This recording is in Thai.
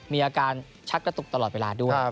มีอาการชักกระตุกตลอดเวลาด้วย